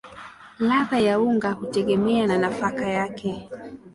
Ladha ya unga hutegemea na nafaka yake.